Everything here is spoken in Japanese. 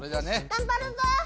頑張るぞ。